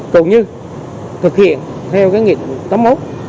còn như thực hiện theo nghị định tâm hút